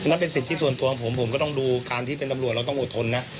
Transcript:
นั่นเป็นสิทธิส่วนตัวของผมผมก็ต้องดูการที่เป็นตำรวจเราต้องอดทนนะ